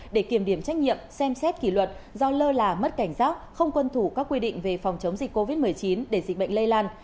để kiểm điểm trách nhiệm xem xét kỷ luật do lơ là mất cảnh giác không quân thủ các quy định về phòng chống dịch covid một mươi chín để dịch bệnh lây lan